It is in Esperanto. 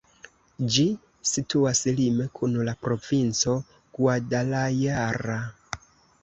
Ĝi situas lime kun la provinco Guadalajara.